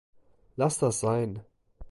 Laß das sein!